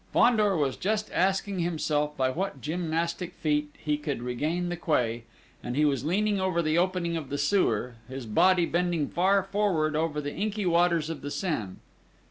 Fandor was just asking himself by what gymnastic feat he could regain the quay, and he was leaning over the opening of the sewer, his body bending far forward over the inky waters of the Seine.